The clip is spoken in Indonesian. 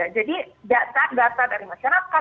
jadi data data dari masyarakat